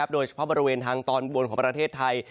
โดยเฉพาะบริเวณทางตอนบนของประเทศไทย